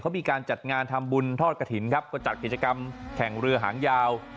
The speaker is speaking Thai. เขามีการจัดงานทำบุญทอดกระถิ่นครับก็จัดกิจกรรมแข่งเรือหางยาว